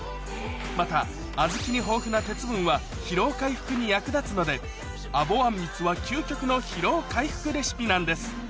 また小豆に豊富な鉄分は疲労回復に役立つのでアボあんみつは究極の疲労回復レシピなんです